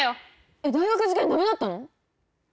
えっ大学受験ダメだったの！？